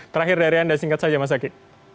terakhir dari anda singkat saja mas zaky